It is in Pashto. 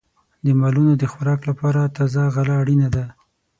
د مالونو د خوراک لپاره تازه غله اړینه ده.